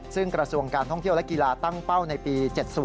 ซึ่งกระทรวงการท่องเที่ยวและกีฬาตั้งเป้าในปี๗๐